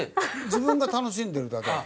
自分が楽しんでるだけだから。